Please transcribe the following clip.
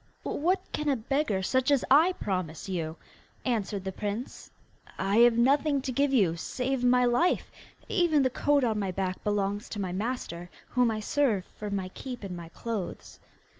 'What can a beggar such as I promise you?' answered the prince. 'I have nothing to give you save my life; even the coat on my back belongs to my master, whom I serve for my keep and my clothes.